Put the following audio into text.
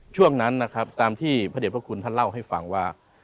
ช่วงนั้นนะครับตามที่พระเด็จพระคุณท่านเล่าให้ฟังว่า